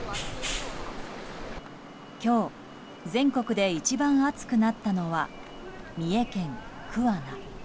今日、全国で一番暑くなったのは三重県桑名。